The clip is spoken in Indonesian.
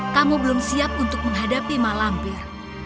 kamu belum siap untuk menghadapi malammpir